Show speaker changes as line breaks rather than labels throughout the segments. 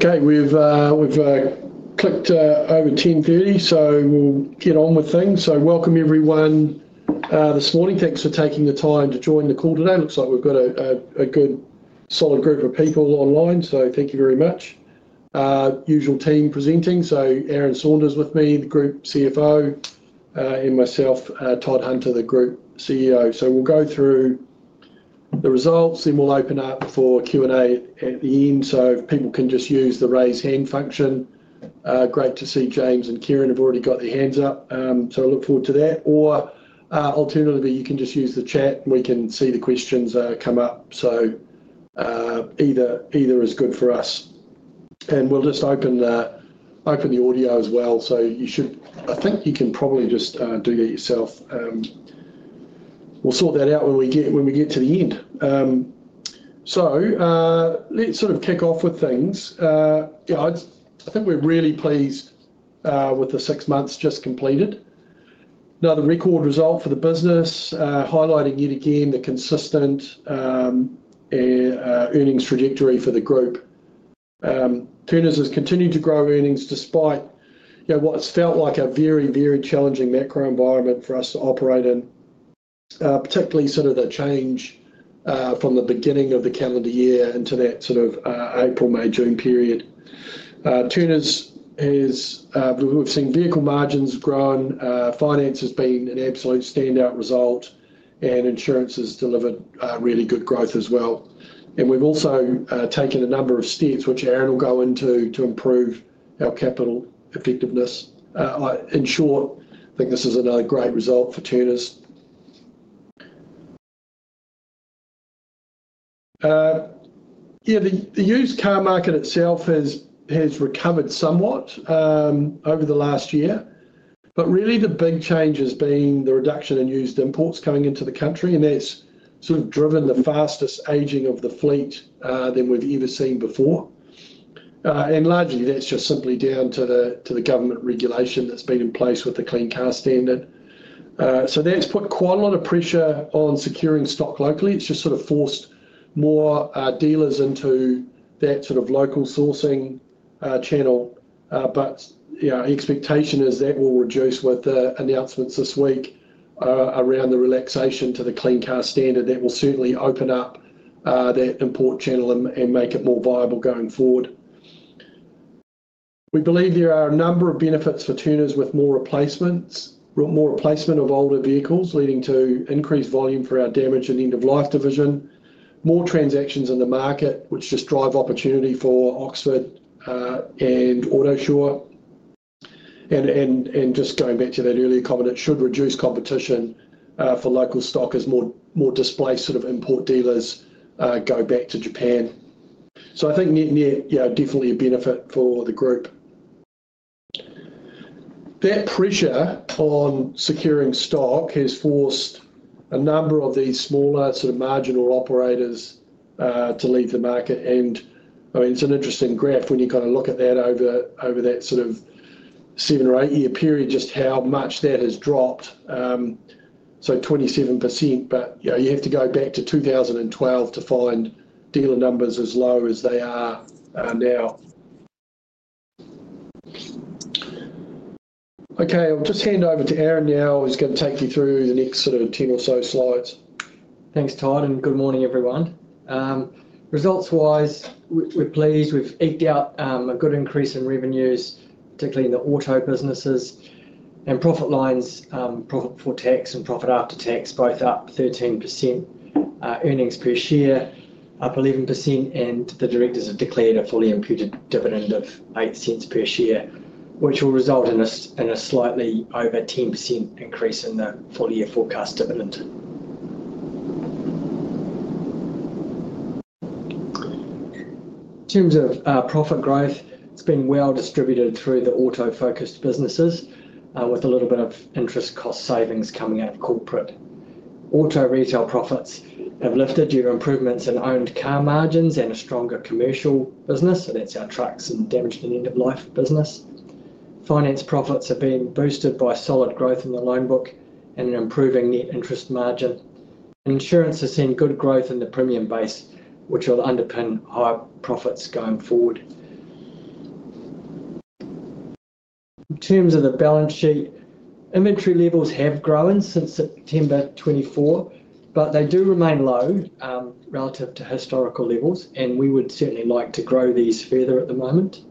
Okay, we've clicked over 10:30, so we'll get on with things. Welcome, everyone, this morning. Thanks for taking the time to join the call today. Looks like we've got a good, solid group of people online, so thank you very much. Usual team presenting. Aaron Saunders with me, the Group CFO, and myself, Todd Hunter, the Group CEO. We'll go through the results, then we'll open up for Q&A at the end, so people can just use the raise hand function. Great to see James and Kieran have already got their hands up, so I look forward to that. Alternatively, you can just use the chat, and we can see the questions come up. Either is good for us. We'll just open the audio as well, so you should—I think you can probably just do that yourself. We'll sort that out when we get to the end. Let's sort of kick off with things. I think we're really pleased with the six months just completed. Another record result for the business, highlighting yet again the consistent earnings trajectory for the group. Turners has continued to grow earnings despite what's felt like a very, very challenging macro environment for us to operate in, particularly sort of the change from the beginning of the calendar year into that April, May, June period. Turners has—we've seen vehicle margins grow, finance has been an absolute standout result, and insurance has delivered really good growth as well. We've also taken a number of steps, which Aaron will go into, to improve our capital effectiveness. In short, I think this is another great result for Turners. Yeah, the used car market itself has recovered somewhat over the last year, but really the big change has been the reduction in used imports coming into the country. That's sort of driven the fastest aging of the fleet than we've ever seen before. Largely, that's just simply down to the government regulation that's been in place with the Clean Car Standard. That's put quite a lot of pressure on securing stock locally. It's just sort of forced more dealers into that sort of local sourcing channel. The expectation is that will reduce with the announcements this week around the relaxation to the Clean Car Standard. That will certainly open up that import channel and make it more viable going forward. We believe there are a number of benefits for Turners with more replacements, more replacement of older vehicles leading to increased volume for our damage and end-of-life division, more transactions in the market, which just drive opportunity for Oxford and Autosure. Just going back to that earlier comment, it should reduce competition for local stock as more displaced sort of import dealers go back to Japan. I think definitely a benefit for the group. That pressure on securing stock has forced a number of these smaller sort of marginal operators to leave the market. I mean, it's an interesting graph when you kind of look at that over that sort of seven or eight-year period, just how much that has dropped. So, 27%, but you have to go back to 2012 to find dealer numbers as low as they are now. Okay, I'll just hand over to Aaron now. He's going to take you through the next sort of 10 or so slides.
Thanks, Todd. Good morning, everyone. Results-wise, we're pleased. We've eked out a good increase in revenues, particularly in the auto businesses. Profit lines, profit before tax and profit after tax, both up 13%. Earnings per share, up 11%. The directors have declared a fully imputed dividend of 0.08 per share, which will result in a slightly over 10% increase in the full-year forecast dividend. In terms of profit growth, it's been well distributed through the auto-focused businesses, with a little bit of interest cost savings coming out of corporate. Auto retail profits have lifted due to improvements in owned car margins and a stronger commercial business. That's our trucks and damage and end-of-life business. Finance profits have been boosted by solid growth in the loan book and an improving net interest margin. Insurance has seen good growth in the premium base, which will underpin higher profits going forward. In terms of the balance sheet, inventory levels have grown since September 2024, but they do remain low relative to historical levels, and we would certainly like to grow these further at the moment.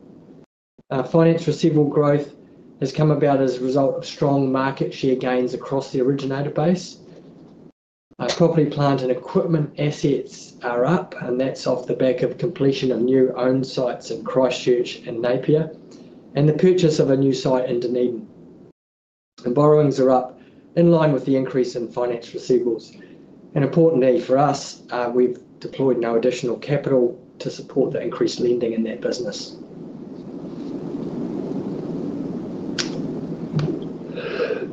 Finance receivable growth has come about as a result of strong market share gains across the originator base. Property, plant, and equipment assets are up, and that is off the back of completion of new owned sites in Christchurch and Napier, and the purchase of a new site in Dunedin. Borrowings are up in line with the increase in finance receivables. An important need for us, we have deployed no additional capital to support the increased lending in that business.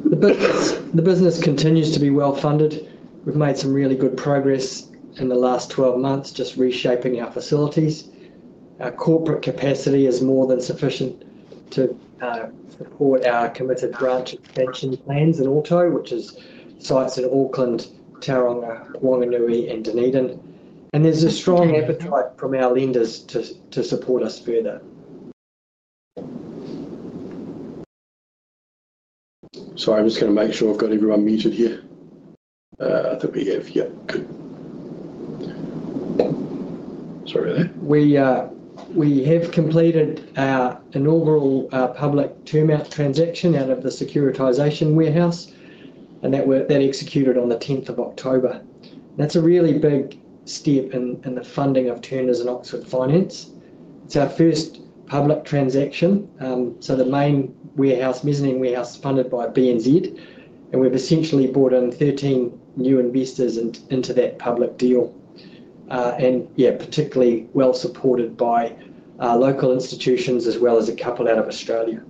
The business continues to be well funded. We've made some really good progress in the last 12 months, just reshaping our facilities. Our corporate capacity is more than sufficient to support our committed branch expansion plans in auto, which is sites in Auckland, Tauranga, Whanganui, and Dunedin. There is a strong appetite from our lenders to support us further.
Sorry, I'm just going to make sure I've got everyone muted here. I think we have—yeah, good. Sorry about that.
We have completed our inaugural public term out transaction out of the securitization warehouse, and that executed on the 10th of October. That's a really big step in the funding of Turners and Oxford Finance. It's our first public transaction. The main warehouse, Mezzanine Warehouse, is funded by BNZ, and we've essentially brought in 13 new investors into that public deal. Yeah, particularly well supported by local institutions as well as a couple out of Australia.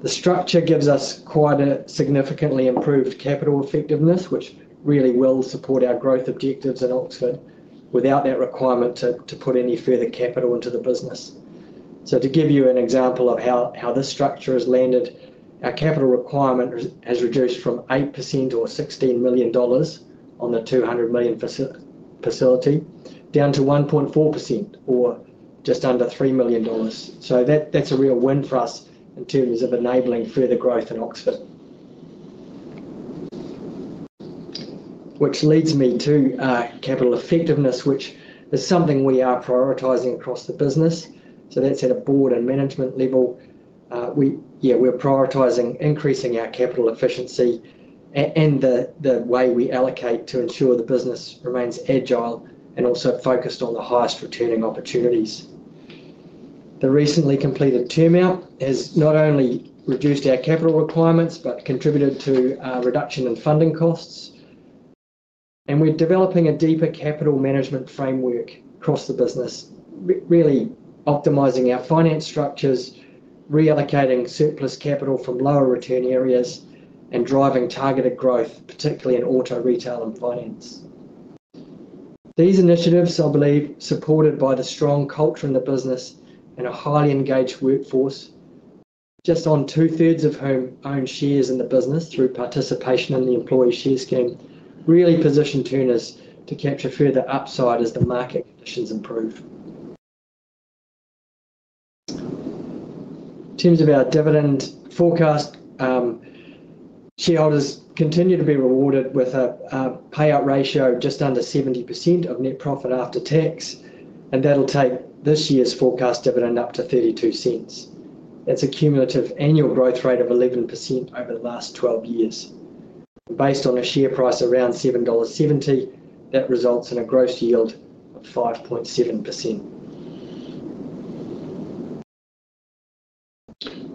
The structure gives us quite a significantly improved capital effectiveness, which really will support our growth objectives in Oxford without that requirement to put any further capital into the business. To give you an example of how this structure has landed, our capital requirement has reduced from 8% or 16 million dollars on the 200 million facility down to 1.4% or just under 3 million dollars. That is a real win for us in terms of enabling further growth in Oxford. Which leads me to capital effectiveness, which is something we are prioritizing across the business. That is at a board and management level. Yeah, we are prioritizing increasing our capital efficiency and the way we allocate to ensure the business remains agile and also focused on the highest returning opportunities. The recently completed term out has not only reduced our capital requirements but contributed to reduction in funding costs. We are developing a deeper capital management framework across the business, really optimizing our finance structures, reallocating surplus capital from lower return areas, and driving targeted growth, particularly in auto retail and finance. These initiatives, I believe, supported by the strong culture in the business and a highly engaged workforce, just on two-thirds of whom own shares in the business through participation in the employee share scheme, really position Turners to capture further upside as the market conditions improve. In terms of our dividend forecast, shareholders continue to be rewarded with a payout ratio of just under 70% of net profit after tax, and that'll take this year's forecast dividend up to 0.32. That's a cumulative annual growth rate of 11% over the last 12 years. Based on a share price around 7.70 dollars, that results in a gross yield of 5.7%.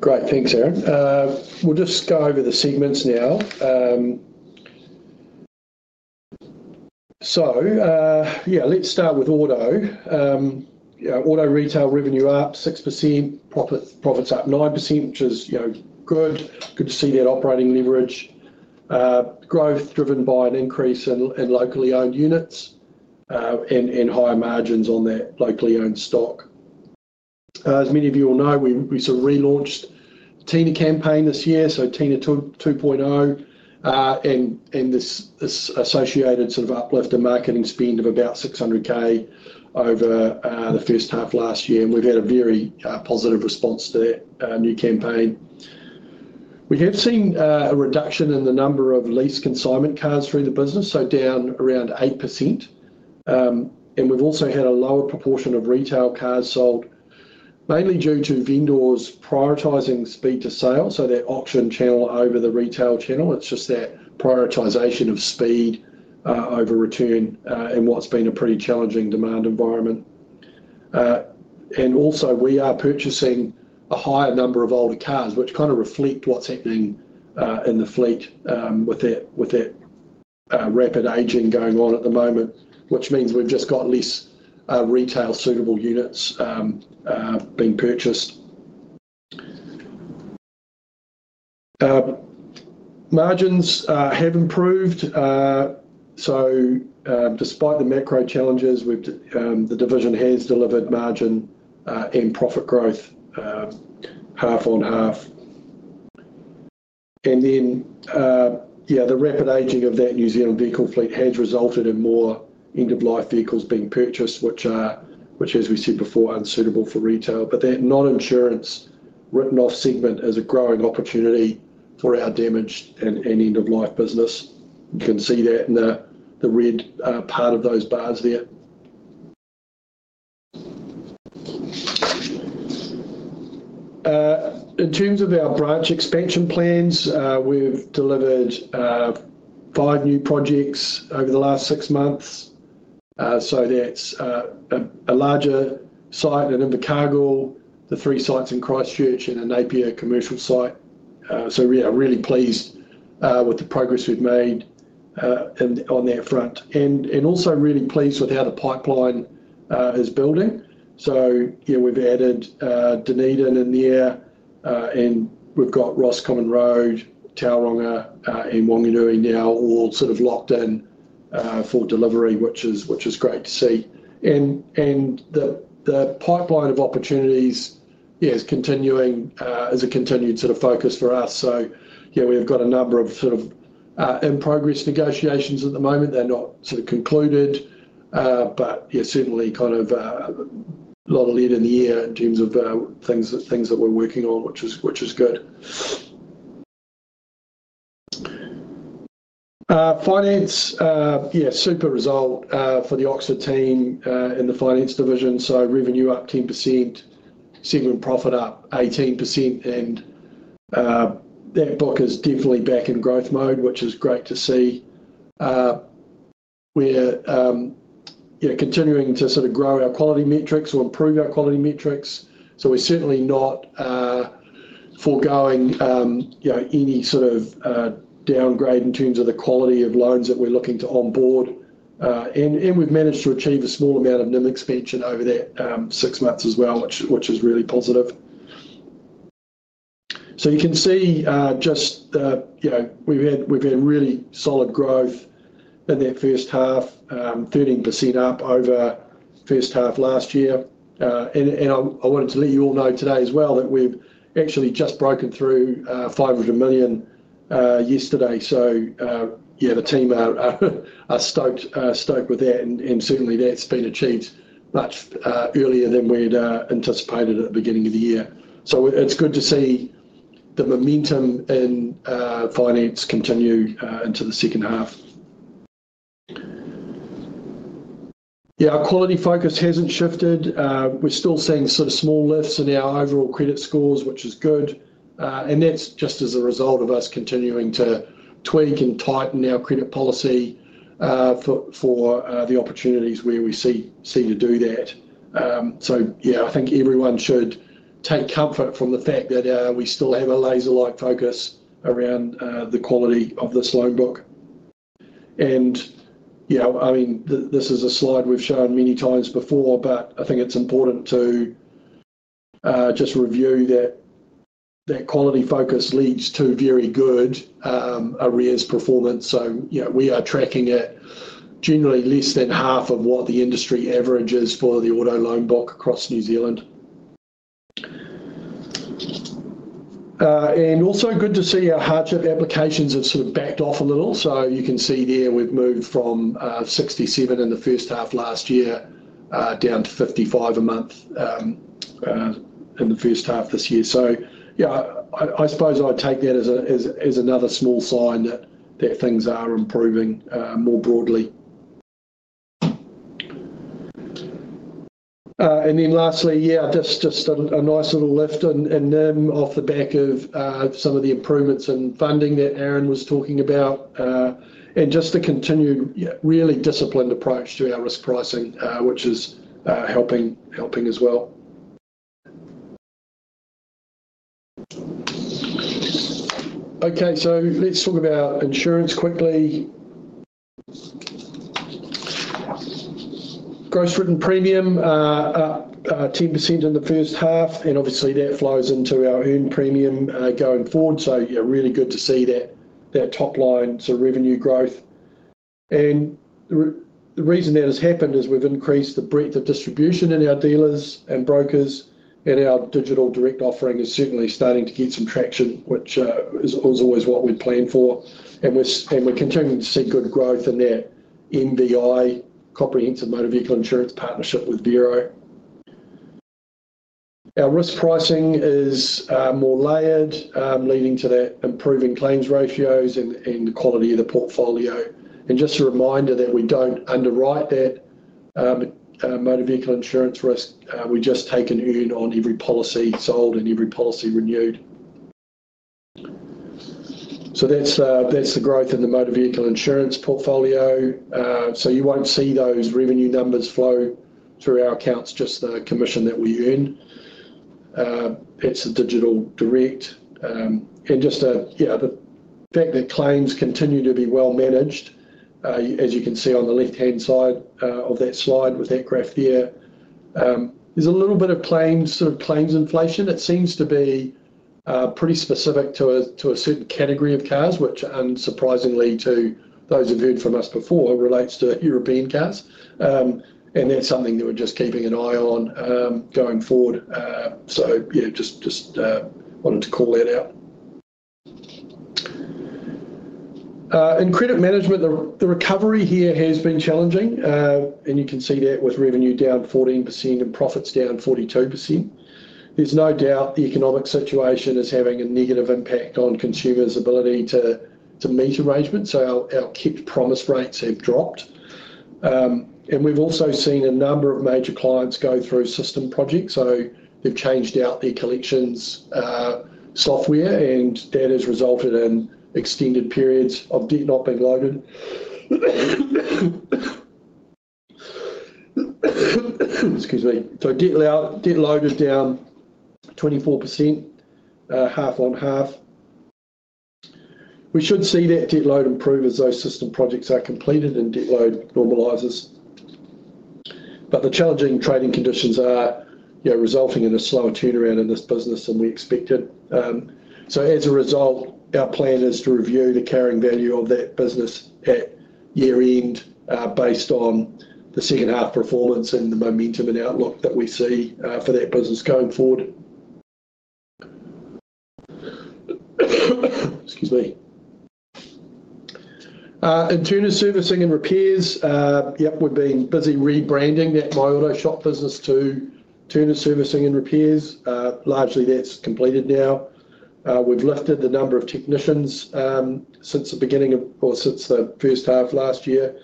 Great. Thanks, Aaron. We'll just go over the segments now. Yeah, let's start with auto. Auto retail revenue up 6%, profits up 9%, which is good. Good to see that operating leverage. Growth driven by an increase in locally owned units and higher margins on that locally owned stock. As many of you will know, we sort of relaunched Tina campaign this year, Tina 2.0, and this associated sort of uplift in marketing spend of about 600,000 over the first half last year. We've had a very positive response to that new campaign. We have seen a reduction in the number of lease consignment cars through the business, down around 8%. We've also had a lower proportion of retail cars sold, mainly due to vendors prioritizing speed to sale, that auction channel over the retail channel. It's just that prioritization of speed over return in what's been a pretty challenging demand environment. Also, we are purchasing a higher number of older cars, which kind of reflect what's happening in the fleet with that rapid aging going on at the moment, which means we've just got less retail suitable units being purchased. Margins have improved. Despite the macro challenges, the division has delivered margin and profit growth half on half. The rapid aging of that New Zealand vehicle fleet has resulted in more end-of-life vehicles being purchased, which, as we said before, are unsuitable for retail. That non-insurance written-off segment is a growing opportunity for our damaged and end-of-life business. You can see that in the red part of those bars there. In terms of our branch expansion plans, we've delivered five new projects over the last six months. That is a larger site in Invercargill, the three sites in Christchurch, and a Napier commercial site. We are really pleased with the progress we have made on that front. We are also really pleased with how the pipeline is building. We have added Dunedin in there, and we have got Roscommon Road, Tauranga, and Whanganui now all sort of locked in for delivery, which is great to see. The pipeline of opportunities is continuing as a continued sort of focus for us. We have a number of sort of in-progress negotiations at the moment. They are not concluded, but certainly kind of a lot of lead in the air in terms of things that we are working on, which is good. Finance, yeah, super result for the Oxford team in the finance division. Revenue up 10%, segment profit up 18%, and that book is definitely back in growth mode, which is great to see. We're continuing to sort of grow our quality metrics or improve our quality metrics. We're certainly not foregoing any sort of downgrade in terms of the quality of loans that we're looking to onboard. We've managed to achieve a small amount of NIM expansion over that six months as well, which is really positive. You can see just we've had really solid growth in that first half, 13% up over first half last year. I wanted to let you all know today as well that we've actually just broken through 500 million yesterday. The team are stoked with that, and certainly that's been achieved much earlier than we'd anticipated at the beginning of the year. It is good to see the momentum in finance continue into the second half. Yeah, our quality focus has not shifted. We are still seeing sort of small lifts in our overall credit scores, which is good. That is just as a result of us continuing to tweak and tighten our credit policy for the opportunities where we see to do that. Yeah, I think everyone should take comfort from the fact that we still have a laser-like focus around the quality of this loan book. I mean, this is a slide we have shown many times before, but I think it is important to just review that that quality focus leads to very good arrears performance. Yeah, we are tracking at generally less than half of what the industry average is for the auto loan book across New Zealand. And also good to see our hardship applications have sort of backed off a little. You can see there we have moved from 67 in the first half last year down to 55 a month in the first half this year. I suppose I would take that as another small sign that things are improving more broadly. Lastly, just a nice little lift in NIM off the back of some of the improvements in funding that Aaron was talking about. Just a continued really disciplined approach to our risk pricing, which is helping as well. Okay, let us talk about insurance quickly. Gross written premium up 10% in the first half, and obviously that flows into our earned premium going forward. Really good to see that top line sort of revenue growth. The reason that has happened is we've increased the breadth of distribution in our dealers and brokers, and our digital direct offering is certainly starting to get some traction, which is always what we've planned for. We're continuing to see good growth in that MBI, Comprehensive Motor Vehicle Insurance partnership with Vero. Our risk pricing is more layered, leading to that improving claims ratios and the quality of the portfolio. Just a reminder that we don't underwrite that motor vehicle insurance risk. We just take an earn on every policy sold and every policy renewed. That's the growth in the motor vehicle insurance portfolio. You won't see those revenue numbers flow through our accounts, just the commission that we earn. It's a digital direct. Just the fact that claims continue to be well managed, as you can see on the left-hand side of that slide with that graph there, there's a little bit of claims inflation. It seems to be pretty specific to a certain category of cars, which unsurprisingly to those who've heard from us before relates to European cars. That's something that we're just keeping an eye on going forward. Yeah, just wanted to call that out. In credit management, the recovery here has been challenging, and you can see that with revenue down 14% and profits down 42%. There's no doubt the economic situation is having a negative impact on consumers' ability to meet arrangements. Our kicked promise rates have dropped. We've also seen a number of major clients go through system projects. They've changed out their collections software, and that has resulted in extended periods of debt not being loaded. Excuse me. Debt loaded down 24% half on half. We should see that debt load improve as those system projects are completed and debt load normalizes. The challenging trading conditions are resulting in a slower turnaround in this business than we expected. As a result, our plan is to review the carrying value of that business at year-end based on the second half performance and the momentum and outlook that we see for that business going forward. Excuse me. In terms of servicing and repairs, yep, we've been busy rebranding that My Auto Shop business to Turners Servicing & Repairs. Largely, that's completed now. We've lifted the number of technicians since the beginning of or since the first half last year.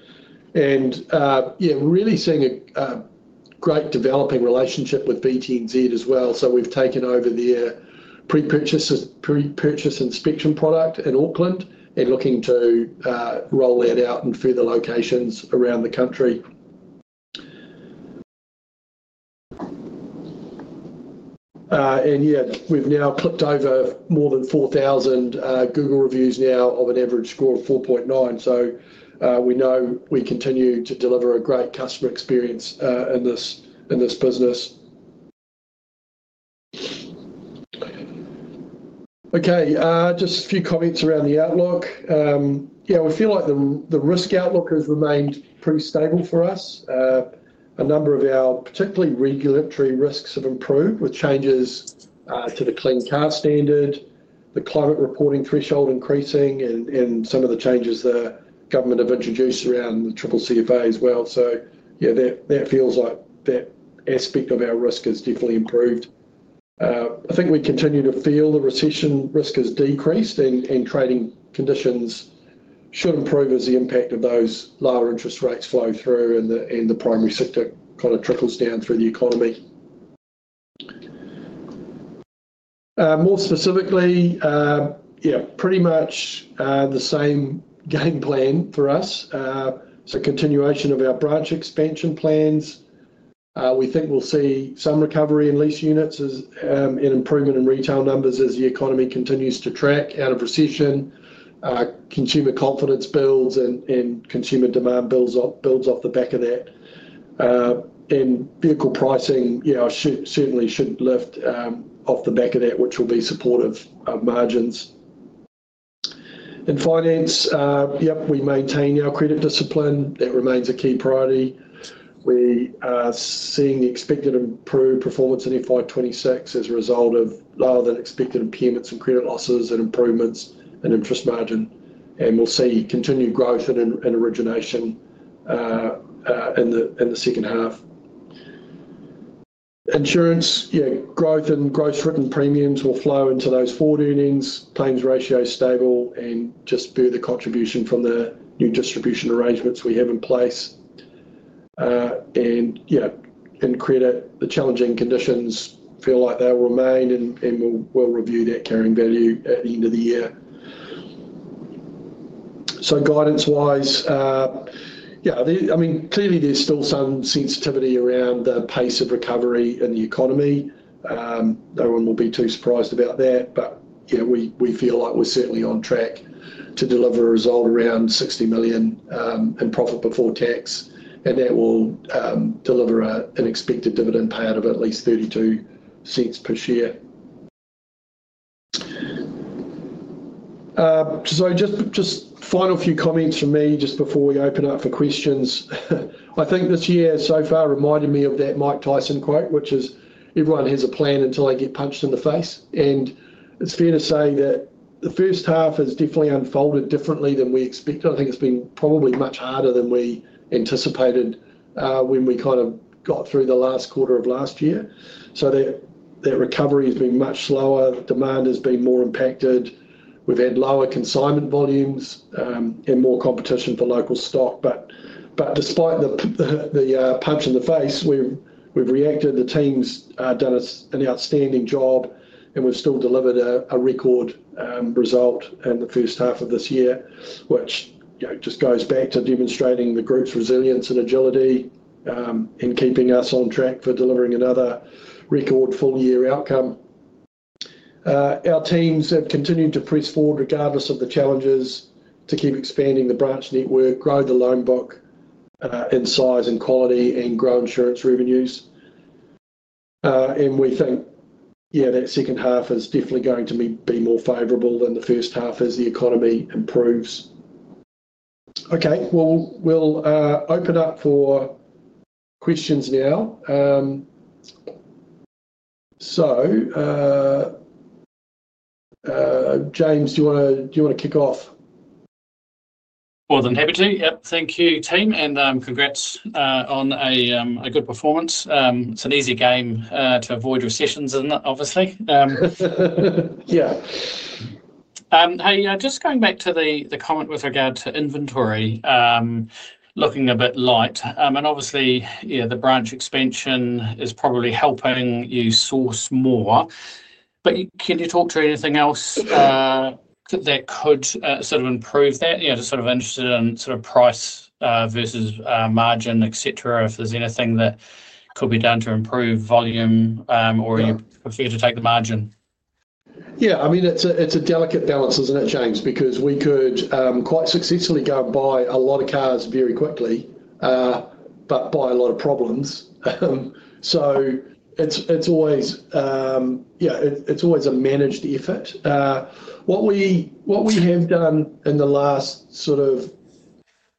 Yeah, we're really seeing a great developing relationship with BTNZ as well. We have taken over their pre-purchase inspection product in Auckland and are looking to roll that out in further locations around the country. We have now clipped over more than 4,000 Google reviews with an average score of 4.9. We know we continue to deliver a great customer experience in this business. Just a few comments around the outlook. We feel like the risk outlook has remained pretty stable for us. A number of our particularly regulatory risks have improved with changes to the Clean Car Standard, the climate reporting threshold increasing, and some of the changes the government have introduced around the CCCFA as well. That aspect of our risk has definitely improved. I think we continue to feel the recession risk has decreased, and trading conditions should improve as the impact of those lower interest rates flow through and the primary sector kind of trickles down through the economy. More specifically, yeah, pretty much the same game plan for us. Continuation of our branch expansion plans. We think we'll see some recovery in lease units and improvement in retail numbers as the economy continues to track out of recession. Consumer confidence builds and consumer demand builds off the back of that. Vehicle pricing, yeah, certainly should lift off the back of that, which will be supportive of margins. In finance, yep, we maintain our credit discipline. That remains a key priority. We are seeing expected improved performance in FY2026 as a result of lower than expected impairments and credit losses and improvements in interest margin. We will see continued growth and origination in the second half. Insurance, yeah, growth in gross written premiums will flow into those forward earnings. Claims ratio is stable and just further contribution from the new distribution arrangements we have in place. Yeah, in credit, the challenging conditions feel like they'll remain, and we'll review that carrying value at the end of the year. Guidance-wise, yeah, I mean, clearly there's still some sensitivity around the pace of recovery in the economy. No one will be too surprised about that. Yeah, we feel like we're certainly on track to deliver a result around 60 million in profit before tax, and that will deliver an expected dividend payout of at least 0.32 per share. Just final few comments from me just before we open up for questions. I think this year so far reminded me of that Mike Tyson quote, which is, "Everyone has a plan until they get punched in the face." It is fair to say that the first half has definitely unfolded differently than we expected. I think it has been probably much harder than we anticipated when we kind of got through the last quarter of last year. That recovery has been much slower. Demand has been more impacted. We have had lower consignment volumes and more competition for local stock. Despite the punch in the face, we have reacted. The teams have done an outstanding job, and we have still delivered a record result in the first half of this year, which just goes back to demonstrating the group's resilience and agility in keeping us on track for delivering another record full-year outcome. Our teams have continued to press forward regardless of the challenges to keep expanding the branch network, grow the loan book in size and quality, and grow insurance revenues. We think, yeah, that second half is definitely going to be more favorable than the first half as the economy improves. Okay, we'll open up for questions now. James, do you want to kick off?
More than happy to. Yep, thank you, team, and congrats on a good performance. It's an easy game to avoid recessions, obviously. Yeah. Hey, just going back to the comment with regard to inventory, looking a bit light. Obviously, yeah, the branch expansion is probably helping you source more. Can you talk to anything else that could sort of improve that? Yeah, just sort of interested in sort of price versus margin, etc., if there's anything that could be done to improve volume or if you're prepared to take the margin.
Yeah, I mean, it's a delicate balance, isn't it, James? Because we could quite successfully go and buy a lot of cars very quickly, but buy a lot of problems. It is always a managed effort. What we have done in the last sort of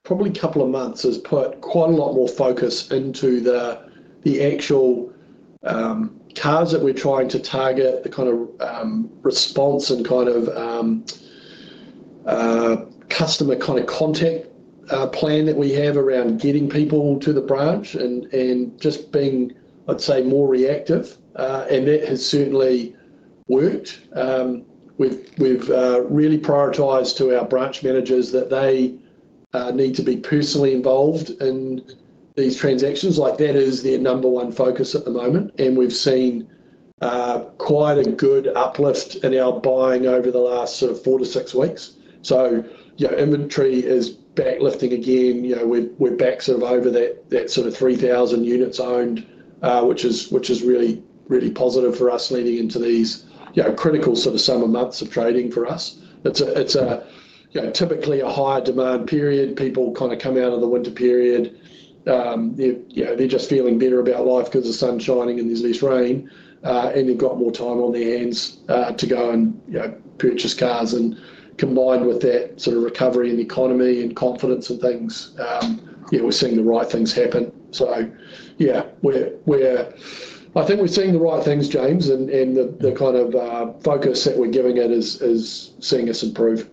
probably couple of months is put quite a lot more focus into the actual cars that we're trying to target, the kind of response and kind of customer kind of contact plan that we have around getting people to the branch and just being, I'd say, more reactive. That has certainly worked. We've really prioritized to our branch managers that they need to be personally involved in these transactions. That is their number one focus at the moment. We've seen quite a good uplift in our buying over the last four to six weeks. Inventory is back lifting again. We're back over that 3,000 units owned, which is really, really positive for us leading into these critical summer months of trading for us. It is typically a higher demand period. People kind of come out of the winter period. They're just feeling better about life because the sun's shining and there's less rain, and they've got more time on their hands to go and purchase cars. Combined with that recovery in the economy and confidence and things, yeah, we're seeing the right things happen. I think we're seeing the right things, James, and the kind of focus that we're giving it is seeing us improve.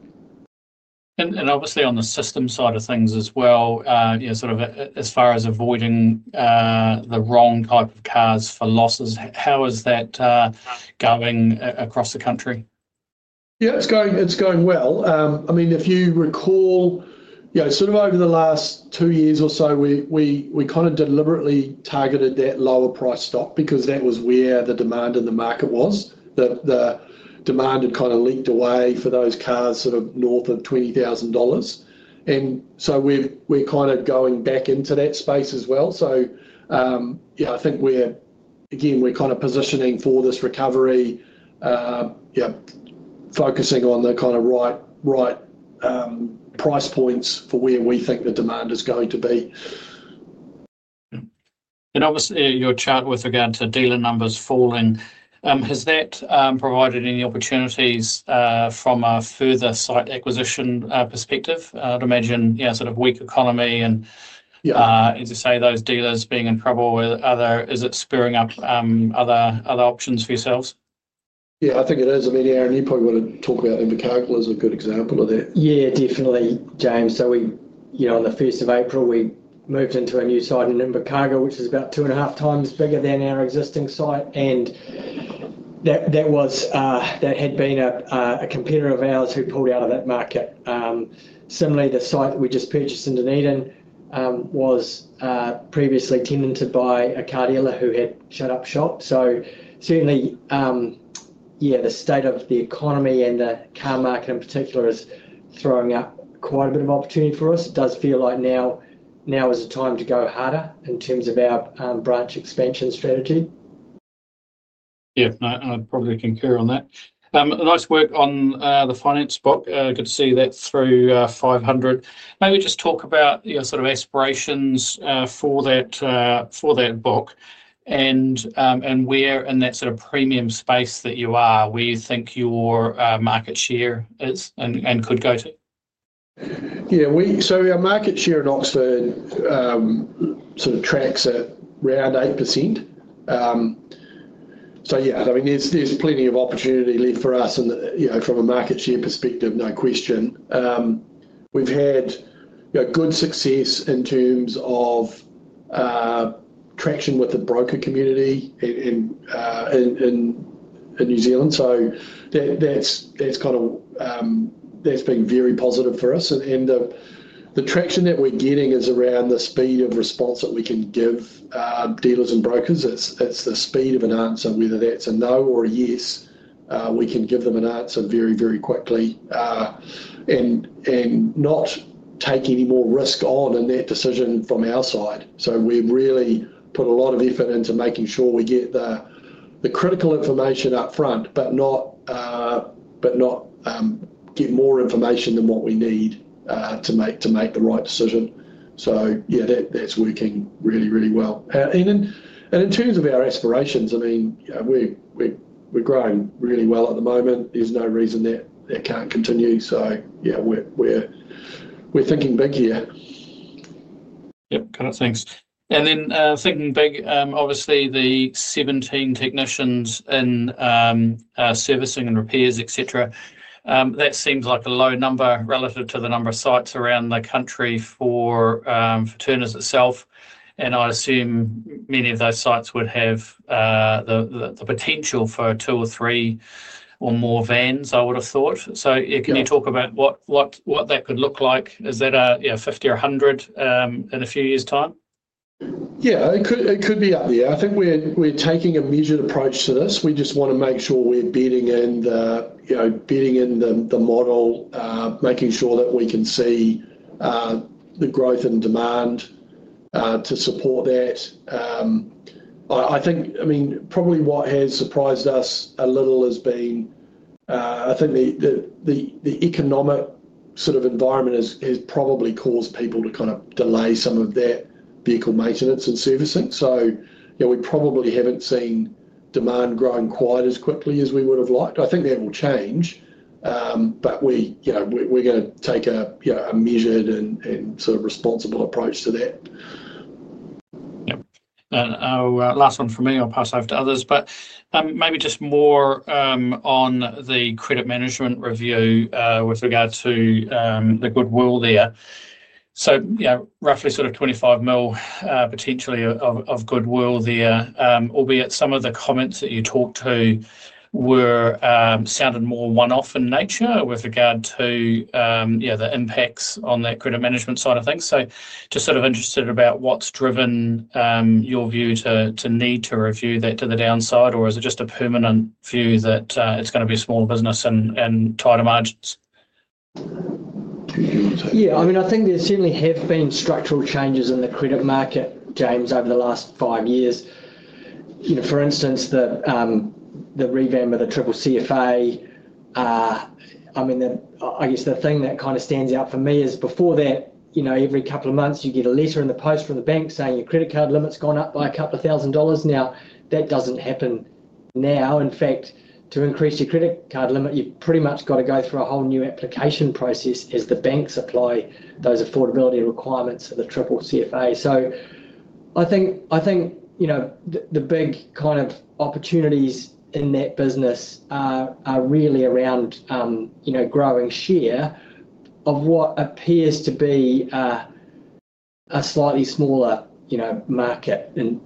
Obviously, on the system side of things as well, as far as avoiding the wrong type of cars for losses, how is that going across the country?
Yeah, it's going well. I mean, if you recall, over the last two years or so, we kind of deliberately targeted that lower price stock because that was where the demand in the market was. The demand had kind of leaked away for those cars north of 20,000 dollars. We are kind of going back into that space as well. I think we are, again, positioning for this recovery, focusing on the right price points for where we think the demand is going to be.
Obviously, your chart with regard to dealer numbers falling, has that provided any opportunities from a further site acquisition perspective? I'd imagine sort of weak economy and, as you say, those dealers being in trouble, is it spurring up other options for yourselves?
Yeah, I think it is. I mean, Aaron, you probably want to talk about Invercargill as a good example of that.
Yeah, definitely, James. On the 1st of April, we moved into a new site in Invercargill, which is about two and a half times bigger than our existing site. That had been a competitor of ours who pulled out of that market. Similarly, the site that we just purchased in Dunedin was previously tenanted by a car dealer who had shut up shop. Certainly, yeah, the state of the economy and the car market in particular is throwing up quite a bit of opportunity for us. It does feel like now is the time to go harder in terms of our branch expansion strategy.
Yeah, I probably concur on that. Nice work on the finance book. Good to see that through 500. Maybe just talk about your sort of aspirations for that book and where in that sort of premium space that you are, where you think your market share is and could go to.
Yeah, so our market share in Oxford sort of tracks at around 8%. Yeah, I mean, there's plenty of opportunity left for us from a market share perspective, no question. We've had good success in terms of traction with the broker community in New Zealand. That's kind of been very positive for us. The traction that we're getting is around the speed of response that we can give dealers and brokers. It's the speed of an answer, whether that's a no or a yes. We can give them an answer very, very quickly and not take any more risk on in that decision from our side. We really put a lot of effort into making sure we get the critical information upfront, but not get more information than what we need to make the right decision. Yeah, that's working really, really well. In terms of our aspirations, I mean, we're growing really well at the moment. There's no reason that it can't continue. Yeah, we're thinking big here.
Yep, kind of things. Thinking big, obviously, the 17 technicians in servicing and repairs, etc., that seems like a low number relative to the number of sites around the country for Turners itself. I assume many of those sites would have the potential for two or three or more vans, I would have thought. Can you talk about what that could look like? Is that a 50 or 100 in a few years' time?
Yeah, it could be up there. I think we're taking a measured approach to this. We just want to make sure we're bidding in the model, making sure that we can see the growth in demand to support that. I think, I mean, probably what has surprised us a little has been I think the economic sort of environment has probably caused people to kind of delay some of that vehicle maintenance and servicing. We probably haven't seen demand growing quite as quickly as we would have liked. I think that will change, but we're going to take a measured and sort of responsible approach to that.
Yep. Last one from me. I'll pass over to others. Maybe just more on the credit management review with regard to the goodwill there. Roughly sort of 25 million potentially of goodwill there, albeit some of the comments that you talked to sounded more one-off in nature with regard to the impacts on that credit management side of things. Just sort of interested about what's driven your view to need to review that to the downside, or is it just a permanent view that it's going to be a small business and tighter margins?
Yeah, I mean, I think there certainly have been structural changes in the credit market, James, over the last five years. For instance, the revamp of the CCCFA, I mean, I guess the thing that kind of stands out for me is before that, every couple of months, you get a letter in the post from the bank saying your credit card limit's gone up by a couple of thousand dollars. Now, that doesn't happen now. In fact, to increase your credit card limit, you've pretty much got to go through a whole new application process as the banks apply those affordability requirements for the CCCFA. I think the big kind of opportunities in that business are really around growing share of what appears to be a slightly smaller market, and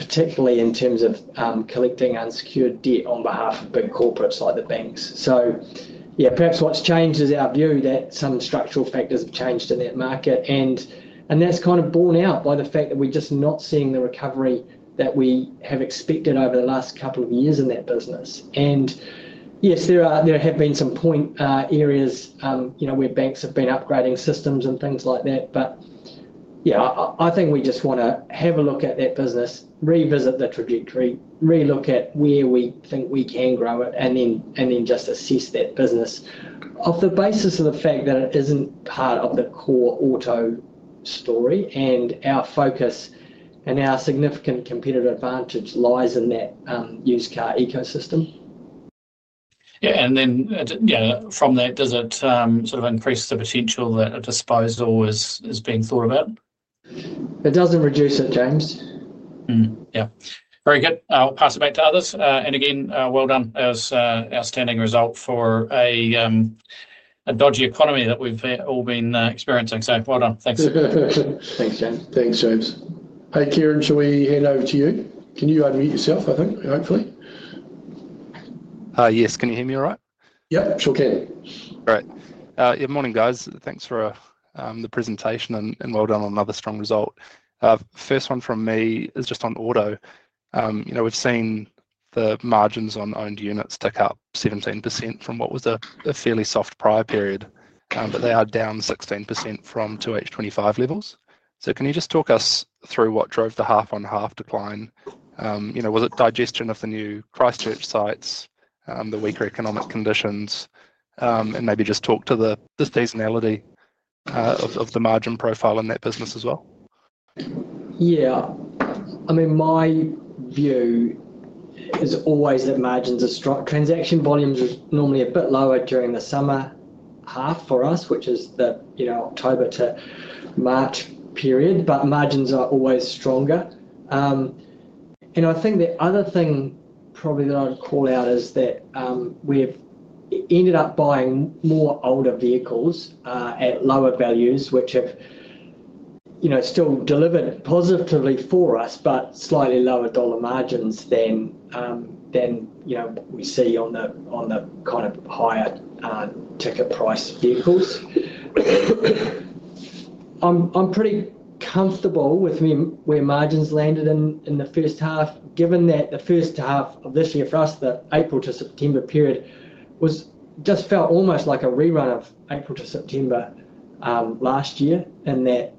particularly in terms of collecting unsecured debt on behalf of big corporates like the banks. Perhaps what's changed is our view that some structural factors have changed in that market. That is kind of borne out by the fact that we are just not seeing the recovery that we have expected over the last couple of years in that business. Yes, there have been some point areas where banks have been upgrading systems and things like that. I think we just want to have a look at that business, revisit the trajectory, re-look at where we think we can grow it, and then just assess that business off the basis of the fact that it is not part of the core auto story. Our focus and our significant competitive advantage lies in that used car ecosystem.
Yeah. From that, does it sort of increase the potential that a disposal is being thought about?
It does not reduce it, James.
Yep. Very good. I will pass it back to others. Again, well done as an outstanding result for a dodgy economy that we have all been experiencing. So well done. Thanks.
Thanks, James.
Thanks, James. Hey, Kieran, shall we hand over to you? Can you unmute yourself, I think, hopefully?
Yes. Can you hear me all right? Yep, sure can. All right. Good morning, guys. Thanks for the presentation and well done on another strong result. First one from me is just on auto. We have seen the margins on owned units tick up 17% from what was a fairly soft prior period, but they are down 16% from 2H2025 levels. Can you just talk us through what drove the half-on-half decline? Was it digestion of the new Christchurch sites, the weaker economic conditions, and maybe just talk to the seasonality of the margin profile in that business as well?
Yeah. I mean, my view is always that margins are strong. Transaction volumes are normally a bit lower during the summer half for us, which is the October to March period, but margins are always stronger. I think the other thing probably that I'd call out is that we've ended up buying more older vehicles at lower values, which have still delivered positively for us, but slightly lower dollar margins than we see on the kind of higher ticket price vehicles. I'm pretty comfortable with where margins landed in the first half, given that the first half of this year for us, the April to September period, just felt almost like a rerun of April to September last year in that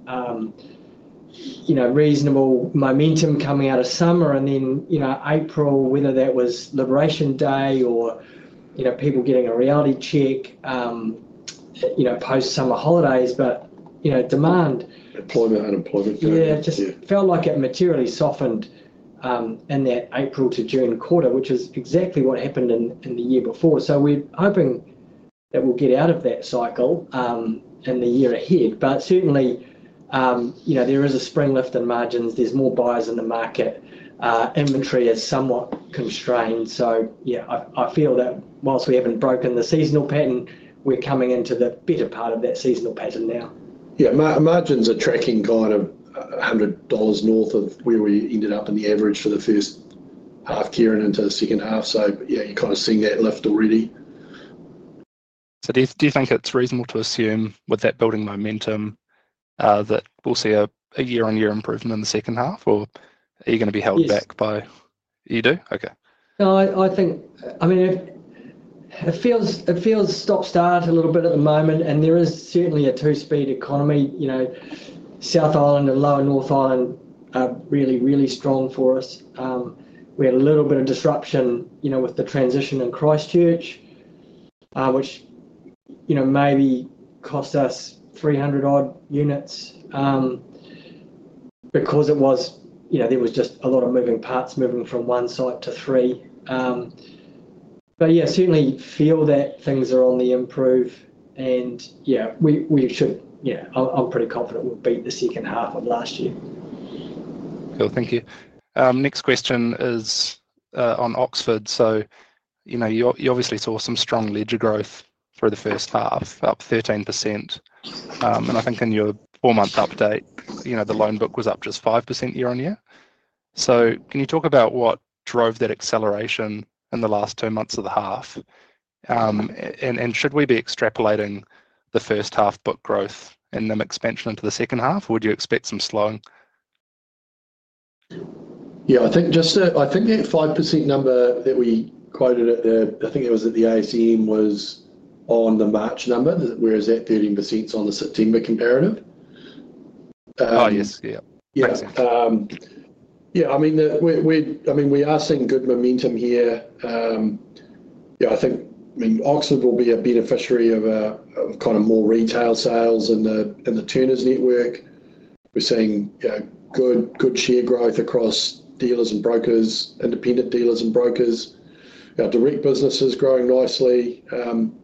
reasonable momentum coming out of summer. April, whether that was Liberation Day or people getting a reality check post-summer holidays, but demand.
Employment, unemployment curve.
Yeah. It just felt like it materially softened in that April to June quarter, which is exactly what happened in the year before. We are hoping that we will get out of that cycle in the year ahead. Certainly, there is a spring lift in margins. There are more buyers in the market. Inventory is somewhat constrained. I feel that whilst we have not broken the seasonal pattern, we are coming into the better part of that seasonal pattern now.
Margins are tracking kind of $100 north of where we ended up in the average for the first half, Kieran, into the second half. You are kind of seeing that lift already.
Do you think it is reasonable to assume with that building momentum that we will see a year-on-year improvement in the second half, or are you going to be held back by—yeah. You do? Okay.
No, I think, I mean, it feels stop-start a little bit at the moment. There is certainly a two-speed economy. South Island and lower North Island are really, really strong for us. We had a little bit of disruption with the transition in Christchurch, which maybe cost us 300-odd units because there was just a lot of moving parts moving from one site to three. Yeah, certainly feel that things are on the improve. Yeah, I'm pretty confident we'll beat the second half of last year.
Cool. Thank you. Next question is on Oxford. You obviously saw some strong ledger growth for the first half, up 13%. I think in your four-month update, the loan book was up just 5% year on year. Can you talk about what drove that acceleration in the last two months of the half? Should we be extrapolating the first half book growth and then expansion into the second half, or would you expect some slowing?
Yeah. I think that 5% number that we quoted at the—I think it was at the ASM—was on the March number, whereas that 13% is on the September comparative. Oh, yes. Yeah. Yeah. I mean, we are seeing good momentum here. Yeah. I think, I mean, Oxford will be a beneficiary of kind of more retail sales in the Turners network. We're seeing good share growth across dealers and brokers, independent dealers and brokers. Our direct business is growing nicely.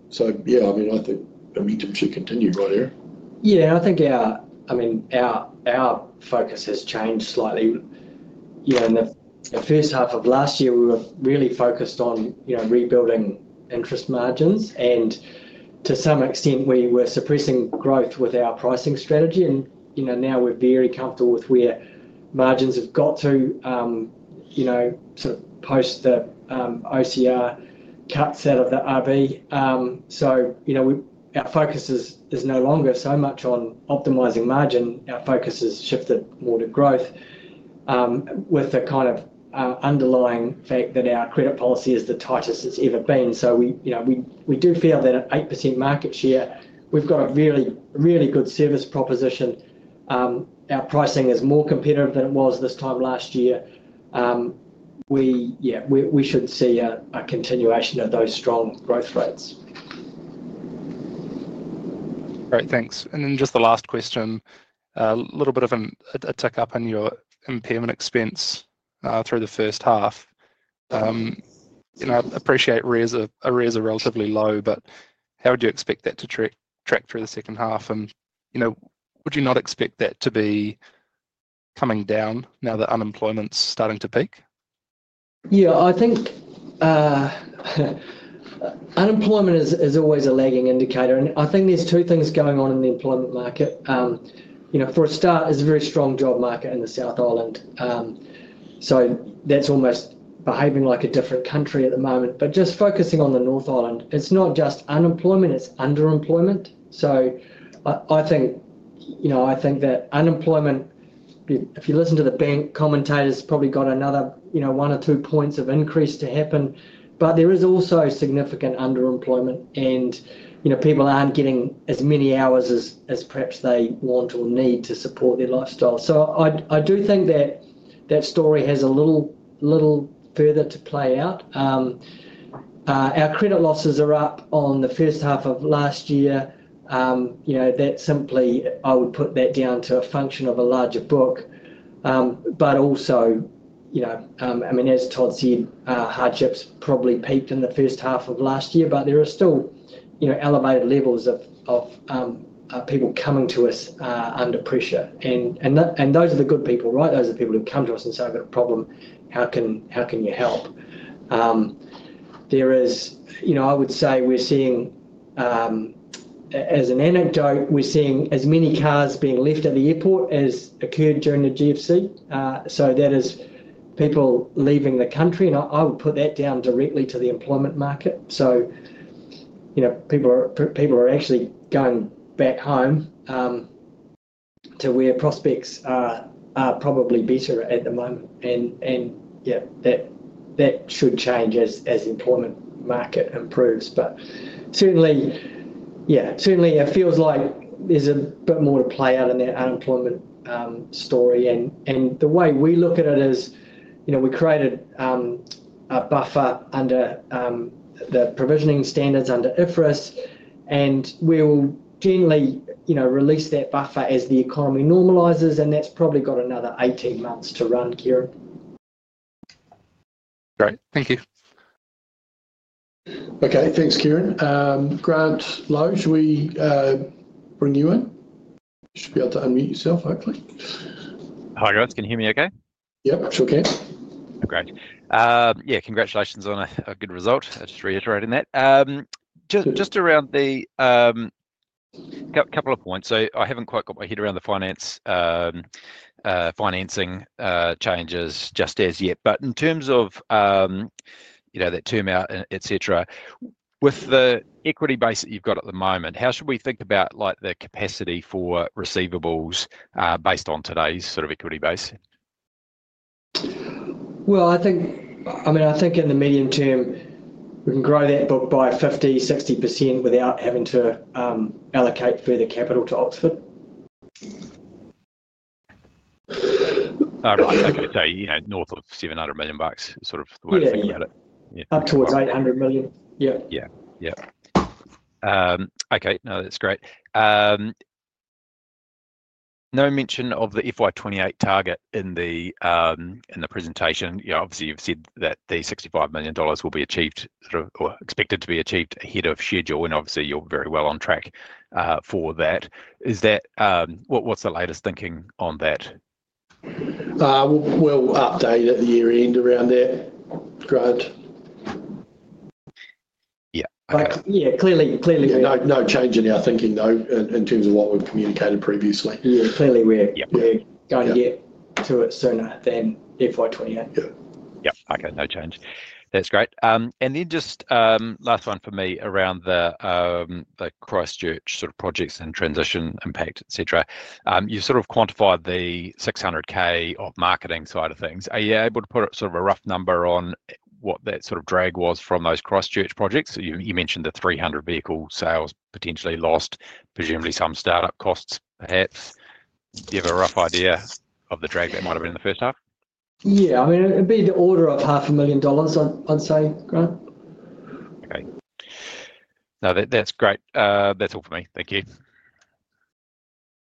So yeah, I mean, I think momentum should continue right here.
Yeah. I think, I mean, our focus has changed slightly. In the first half of last year, we were really focused on rebuilding interest margins. To some extent, we were suppressing growth with our pricing strategy. Now we are very comfortable with where margins have got to, sort of post the OCR cuts out of the RB. Our focus is no longer so much on optimizing margin. Our focus has shifted more to growth with the kind of underlying fact that our credit policy is the tightest it has ever been. We do feel that at 8% market share, we have got a really, really good service proposition. Our pricing is more competitive than it was this time last year. Yeah, we should see a continuation of those strong growth rates.
Great, thanks. Just the last question, a little bit of a tick up on your impairment expense through the first half. I appreciate rates are relatively low, but how would you expect that to track through the second half? Would you not expect that to be coming down now that unemployment's starting to peak?
Yeah. I think unemployment is always a lagging indicator. I think there's two things going on in the employment market. For a start, it's a very strong job market in the South Island. That's almost behaving like a different country at the moment. Just focusing on the North Island, it's not just unemployment. It's underemployment. I think that unemployment, if you listen to the bank commentators, probably has another one or two points of increase to happen. There is also significant underemployment, and people aren't getting as many hours as perhaps they want or need to support their lifestyle. I do think that story has a little further to play out. Our credit losses are up on the first half of last year. That simply, I would put that down to a function of a larger book. Also, I mean, as Todd said, hardships probably peaked in the first half of last year, but there are still elevated levels of people coming to us under pressure. Those are the good people, right? Those are the people who come to us and say, "I've got a problem. How can you help?" I would say we're seeing, as an anecdote, we're seeing as many cars being left at the airport as occurred during the GFC. That is people leaving the country. I would put that down directly to the employment market. People are actually going back home to where prospects are probably better at the moment. That should change as the employment market improves. Certainly, yeah, certainly it feels like there's a bit more to play out in that unemployment story. The way we look at it is we created a buffer under the provisioning standards under IFRS, and we will generally release that buffer as the economy normalizes. That's probably got another 18 months to run, Kieran.
Great. Thank you.
Okay. Thanks, Kieran. Grant Lowe, should we bring you in? You should be able to unmute yourself, hopefully.
Hi, guys. Can you hear me okay?
Yep, sure can.
Great. Yeah. Congratulations on a good result. Just reiterating that. Just around the couple of points. I haven't quite got my head around the financing changes just as yet. In terms of that term out, etc., with the equity base that you've got at the moment, how should we think about the capacity for receivables based on today's sort of equity base?
I mean, I think in the medium term, we can grow that book by 50%-60% without having to allocate further capital to Oxford.
All right. Okay. So north of 700 million bucks, sort of the way to think about it. Yeah.
Up towards 800 million. Yep.
Yeah. Yep. Okay. No, that's great. No mention of the FY2028 target in the presentation. Obviously, you've said that the 65 million dollars will be achieved or expected to be achieved ahead of schedule. Obviously, you're very well on track for that. What's the latest thinking on that?
We'll update at the year-end around that, Grant.
Yeah. Yeah.
Clearly, no change in our thinking, though, in terms of what we've communicated previously.
Yeah. Clearly, we're going to get to it sooner than FY2028. Yeah. Yep.
Okay. No change. That's great. And then just last one for me around the Christchurch sort of projects and transition impact, etc. You've sort of quantified the 600,000 of marketing side of things. Are you able to put sort of a rough number on what that sort of drag was from those Christchurch projects? You mentioned the 300 vehicle sales potentially lost, presumably some startup costs, perhaps. Do you have a rough idea of the drag that might have been in the first half?
Yeah. I mean, it'd be the order of 500,000 dollars, I'd say, Grant.
Okay. No, that's great. That's all for me. Thank you.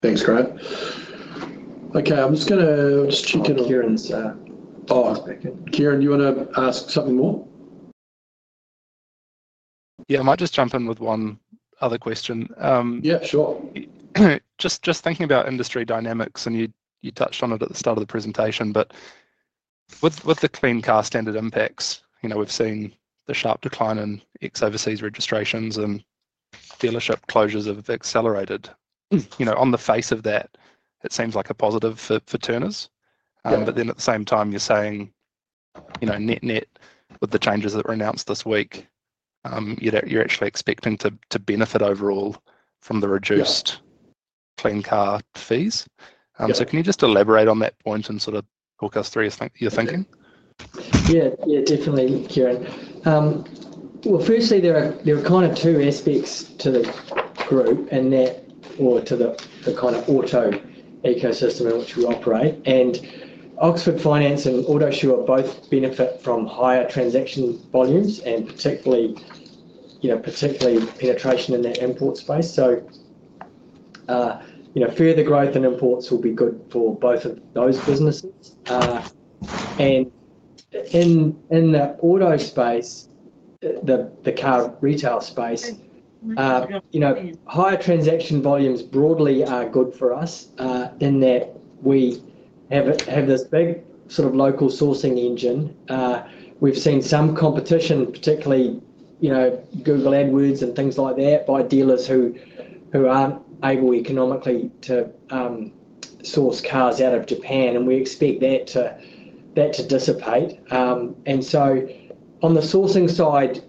Thanks, Grant. Okay. I'm just going to check in on Kieran's. Oh, Kieran, you want to ask something more?
Yeah. I might just jump in with one other question.
Yeah. Sure.
Just thinking about industry dynamics, and you touched on it at the start of the presentation, but with the Clean Car Standard impacts, we've seen the sharp decline in ex-overseas registrations and dealership closures have accelerated. On the face of that, it seems like a positive for Turners. At the same time, you're saying net-net with the changes that were announced this week, you're actually expecting to benefit overall from the reduced Clean Car fees. Can you just elaborate on that point and sort of talk us through your thinking?
Yeah. Yeah. Definitely, Kieran. Firstly, there are kind of two aspects to the group and that or to the kind of auto ecosystem in which we operate. Oxford Finance and Autosure both benefit from higher transaction volumes and particularly penetration in that import space. Further growth in imports will be good for both of those businesses. In the auto space, the car retail space, higher transaction volumes broadly are good for us in that we have this big sort of local sourcing engine. We have seen some competition, particularly Google AdWords and things like that, by dealers who are not able economically to source cars out of Japan. We expect that to dissipate. On the sourcing side,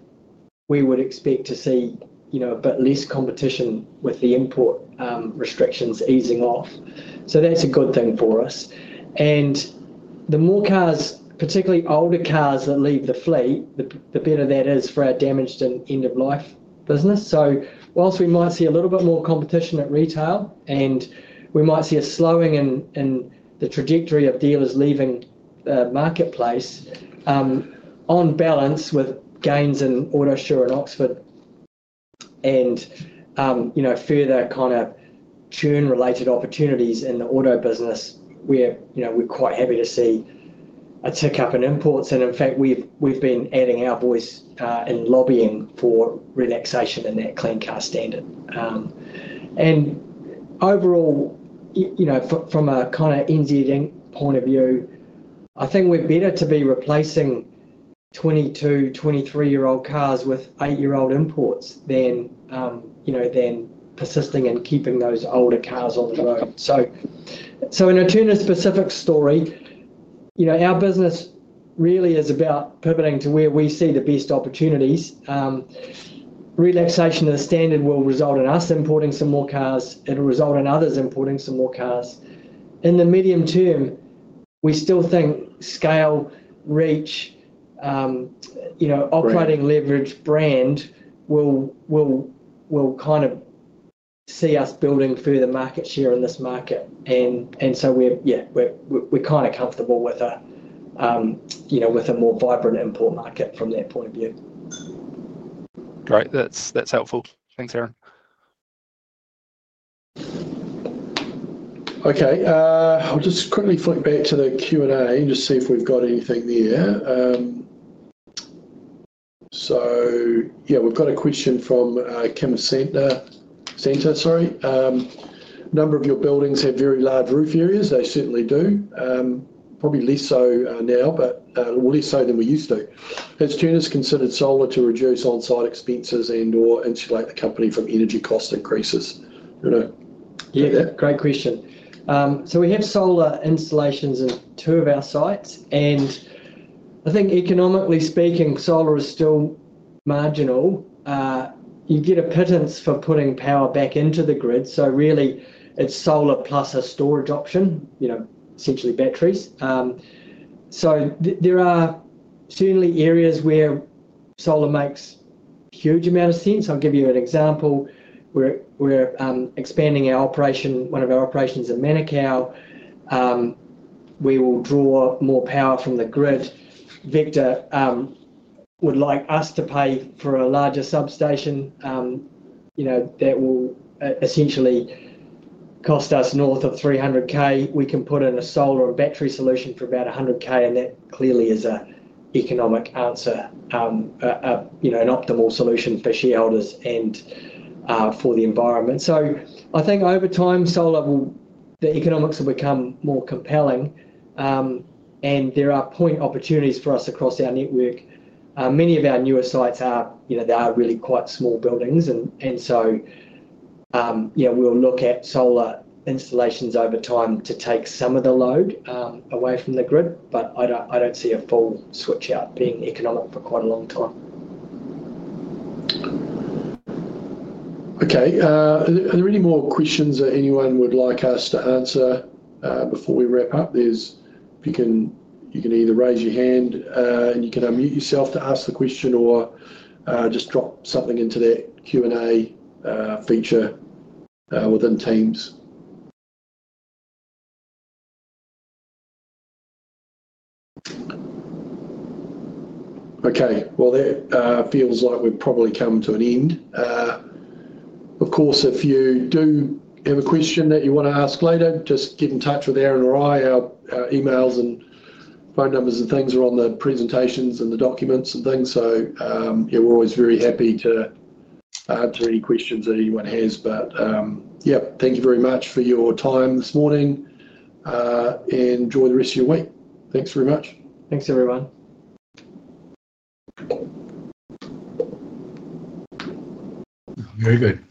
we would expect to see a bit less competition with the import restrictions easing off. That is a good thing for us. The more cars, particularly older cars that leave the fleet, the better that is for our damaged and end-of-life business. Whilst we might see a little bit more competition at retail, and we might see a slowing in the trajectory of dealers leaving the marketplace, on balance with gains in Autosure and Oxford and further kind of churn-related opportunities in the auto business, we're quite happy to see a tick up in imports. In fact, we've been adding our voice in lobbying for relaxation in that Clean Car Standard. Overall, from a kind of New Zealand point of view, I think we're better to be replacing 22, 23-year-old cars with eight-year-old imports than persisting in keeping those older cars on the road. In a Turner-specific story, our business really is about pivoting to where we see the best opportunities. Relaxation of the standard will result in us importing some more cars. It'll result in others importing some more cars. In the medium term, we still think scale, reach, operating leverage, brand will kind of see us building further market share in this market. Yeah, we're kind of comfortable with a more vibrant import market from that point of view.
Great. That's helpful. Thanks, Aaron.
Okay. I'll just quickly flick back to the Q&A and just see if we've got anything there. Yeah, we've got a question from Kenneth Center, sorry. A number of your buildings have very large roof areas. They certainly do. Probably less so now, but less so than we used to. Has Turners considered solar to reduce onsite expenses and/or insulate the company from energy cost increases? Yeah.
Great question. We have solar installations in two of our sites. I think economically speaking, solar is still marginal. You get a pittance for putting power back into the grid. It is really solar plus a storage option, essentially batteries. There are certainly areas where solar makes a huge amount of sense. I'll give you an example. We are expanding one of our operations in Manukau. We will draw more power from the grid. Vector would like us to pay for a larger substation that will essentially cost us north of 300,000. We can put in a solar or a battery solution for about 100,000. That clearly is an economic answer, an optimal solution for shareholders and for the environment. I think over time, solar, the economics will become more compelling. There are point opportunities for us across our network. Many of our newer sites are really quite small buildings. We will look at solar installations over time to take some of the load away from the grid. But I do not see a full switch out being economic for quite a long time.
Okay. Are there any more questions that anyone would like us to answer before we wrap up? If you can either raise your hand and you can unmute yourself to ask the question or just drop something into that Q&A feature within Teams. Okay. That feels like we have probably come to an end. Of course, if you do have a question that you want to ask later, just get in touch with Aaron or I. Our emails and phone numbers and things are on the presentations and the documents and things. We are always very happy to answer any questions that anyone has. Thank you very much for your time this morning. Enjoy the rest of your week. Thanks very much. Thanks, everyone. Very good.